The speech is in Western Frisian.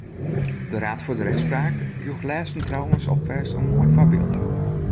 De Raad voor de Rechtspraak joech lêsten trouwens alfêst in moai foarbyld.